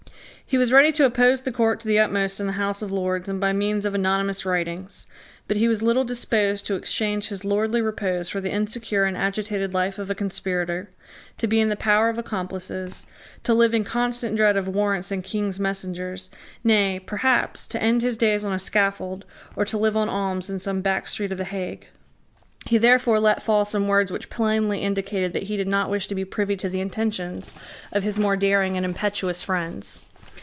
He was ready to oppose the court to the utmost in the House of Lords and by means of anonymous writings: but he was little disposed to exchange his lordly repose for the insecure and agitated life of a conspirator, to be in the power of accomplices, to live in constant dread of warrants and King's messengers, nay, perhaps, to end his days on a scaffold, or to live on alms in some back street of the Hague. He therefore let fall some words which plainly indicated that he did not wish to be privy to the intentions of his more daring and impetuous friends.